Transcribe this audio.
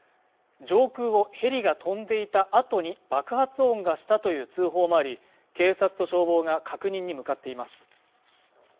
上空をヘリが飛んでいたあとに爆発音がしたという通報もあり警察と消防が確認に向かっています